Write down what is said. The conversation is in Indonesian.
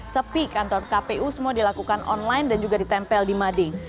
sepi kantor kpu semua dilakukan online dan juga ditempel di mading